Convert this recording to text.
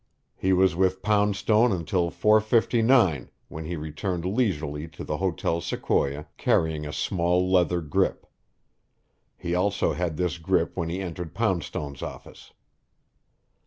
He was with Poundstone until 4:59, when he returned leisurely to the Hotel Sequoia, carrying a small leather grip. He also had this grip when he entered Poundstone's office.